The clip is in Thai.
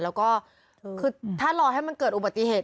แล้วก็คือถ้ารอให้มันเกิดอุบัติเหตุ